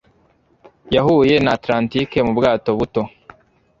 Yahuye na Atlantike mu bwato buto.